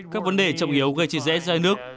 các vấn đề trọng yếu gây trị rẽ ra nước